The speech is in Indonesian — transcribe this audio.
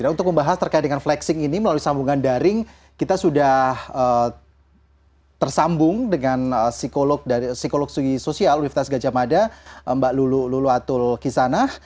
untuk membahas terkait dengan flexing ini melalui sambungan daring kita sudah tersambung dengan psikolog sugi sosial universitas gajah mada mbak lulu atul kisanah